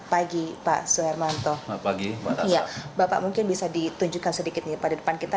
pagi pak soeharto pagi pagi ya bapak mungkin bisa ditunjukkan sedikitnya pada depan kita